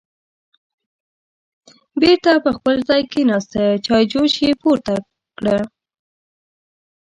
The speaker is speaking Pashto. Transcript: بېرته په خپل ځای کېناسته، چایجوش یې پورته کړه